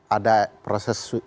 ada proses yang sudah